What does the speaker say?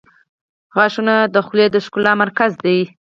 • غاښونه د خولې د ښکلا مرکز دي.